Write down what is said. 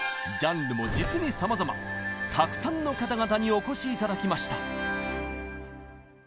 ジャンルも実にさまざまたくさんの方々にお越し頂きました。